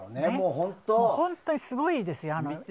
本当にすごいですよ。